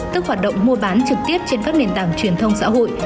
tức hoạt động mua bán trực tiếp trên các nền tảng truyền thông xã hội